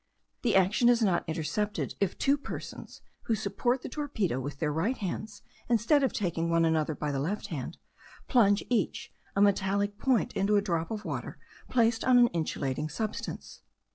The action is not intercepted if two persons, who support the torpedo with their right hands, instead of taking one another by the left hand, plunge each a metallic point into a drop of water placed on an insulating substance.